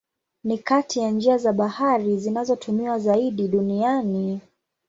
Ni kati ya njia za bahari zinazotumiwa zaidi duniani.